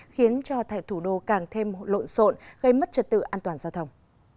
khiến cho thủ đô càng thêm lộn xộn gây mất trật tự an toàn giao thông